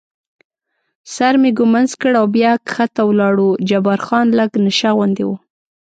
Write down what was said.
سر مې ږمنځ کړ او بیا کښته ولاړو، جبار خان لږ نشه غوندې و.